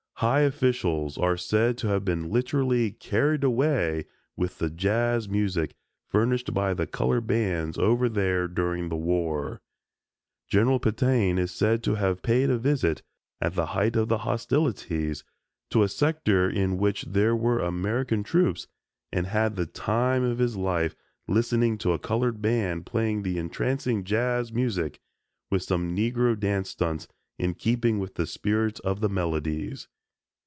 High officials are said to have been literally "carried away" with the "jazz" music furnished by the colored bands "over there" during the war. General Petain is said to have paid a visit, at the height of the hostilities, to a sector in which there were American troops and had "the time of his life" listening to a colored band playing the entrancing "jazz" music, with some Negro dance stunts in keeping with the spirit of the melodies.